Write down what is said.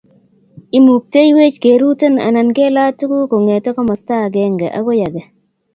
Imukteiyweech kerute anan kelaa tuguuk kong'ete komasta agenge akoi age.